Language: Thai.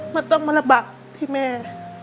มันต้องมาระบักที่แม่